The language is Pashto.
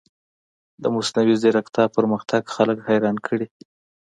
د مصنوعي ځیرکتیا پرمختګ خلک حیران کړي.